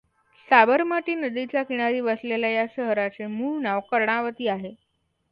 साबरमती नदीच्या किनारी वसलेल्या या शहराचे मूळ नाव कर्णावती आहे.